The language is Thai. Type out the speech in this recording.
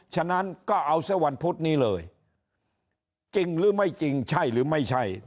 ฉะนั้นก็เอาซะวันพุธนี้เลยจริงหรือไม่จริงใช่หรือไม่ใช่